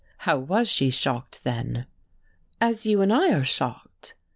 "How was she shocked, then?" "As you and I are shocked."